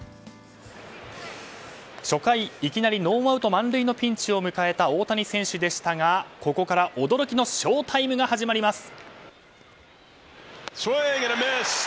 初回、いきなりノーアウト満塁のピンチを迎えた大谷選手でしたが、ここから驚きのＳＨＯＴＩＭＥが始まります。